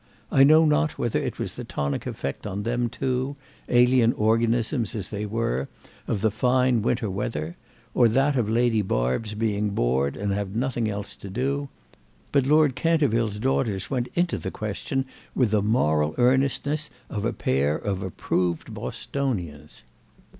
I know not whether it was the tonic effect on them too, alien organisms as they were, of the fine winter weather, or that of Lady Barb's being bored and having nothing else to do; but Lord Canterville's daughters went into the question with the moral earnestness of a pair of approved Bostonians.